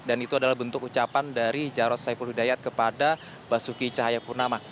dan itu adalah bentuk ucapan dari jarod saiful hudayat kepada basuki ceyapurnama